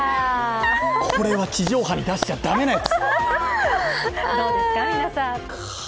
これは地上波に出しちゃ駄目なやつ！